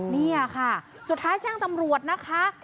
นี่ค่ะสุดท้ายแจ้งตำรวจนะคะ